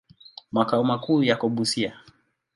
Makao makuu yako Busia.